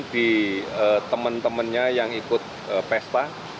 di teman temannya yang ikut pesta